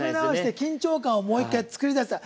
緊張感をもう１回、作り出した。